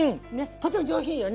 とても上品よね。